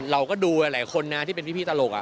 เราก็ดูหลายคนนะที่เป็นพี่ตลก